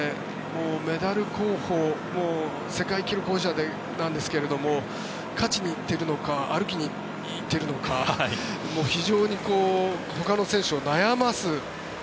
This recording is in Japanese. メダル候補世界記録保持者なんですが勝ちに行っているのか歩きに行っているのか非常にほかの選手を悩ます。